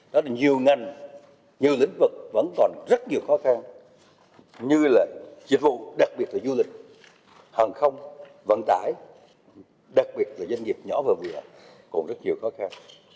đó là nhiều ngành nhiều lĩnh vực vẫn còn rất nhiều khó khăn như là dịch vụ đặc biệt là du lịch hàng không vận tải đặc biệt là doanh nghiệp nhỏ và vừa còn rất nhiều khó khăn